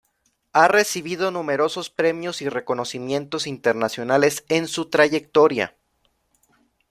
Ha recibido numerosos premios y reconocimientos internacionales en su trayectoria.